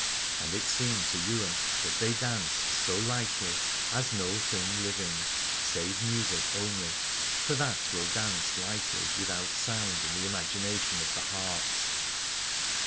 And it seemed to Ywain that they Aladore danced so lightly as no thing living, save music only : for that will dance lightly without sound in the imagination of the heart.